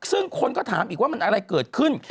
ซึ่งคนก็ถามอีกว่ามันอะไรเกิดขึ้น